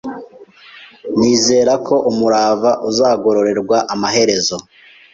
Nizera ko umurava uzagororerwa amaherezo.